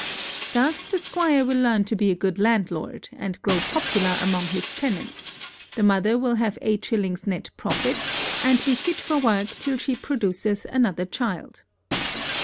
Thus the squire will learn to be a good landlord, and grow popular among his tenants, the mother will have eight shillings neat profit, and be fit for work till she produces another child.